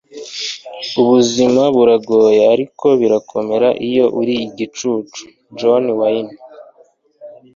Ubuzima buragoye, ariko birakomera iyo uri igicucu.” - John Wayne